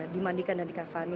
dimandikan dan dikakvani